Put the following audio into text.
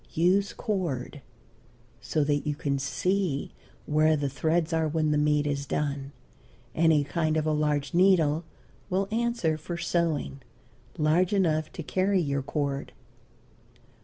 Use cord, so that you can see where the threads are when the meat is done. Any kind of a large needle will answer for sewing, large enough to carry your cord.